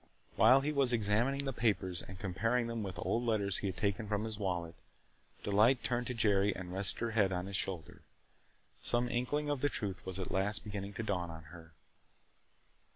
While he was examining the papers and comparing them with old letters he had taken from his wallet, Delight turned to Jerry and rested her head on his shoulder. Some inkling of the truth was at last beginning to dawn on her.